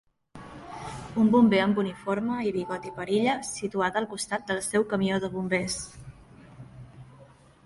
un bomber amb uniforme i bigot i perilla, situat al costat del seu camió de bombers.